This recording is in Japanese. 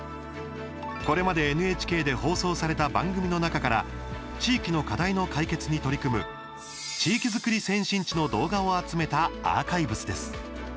これまでＮＨＫで放送された番組の中から地域の課題の解決に取り組む「地域づくり先進地」の動画を集めたアーカイブスです。